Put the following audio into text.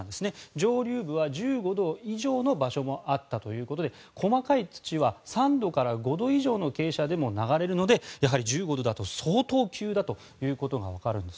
上流部は１５度以上の場所もあったということで細かい土は３度から５度以上の傾斜でも流れるので、やはり１５度だと相当、急だということが分かるんです。